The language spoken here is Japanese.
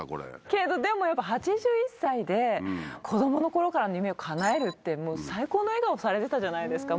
けどでもやっぱ８１歳で子供の頃からの夢をかなえるって最高の笑顔されてたじゃないですか。